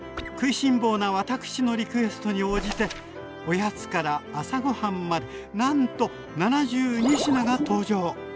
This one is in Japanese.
食いしん坊な私のリクエストに応じておやつから朝ごはんまでなんと７２品が登場！